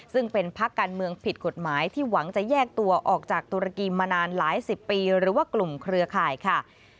ซึ่งเป็นพักการเมืองผิดกฎหมายที่หวังจะแยกตัวออกจากตุรกีมานานหลายสิบปีหรือว่ากลุ่มเครือข่ายค่ะ